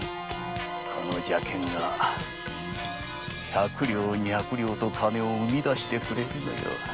この邪剣が百両二百両と金を産み出してくれるのよ。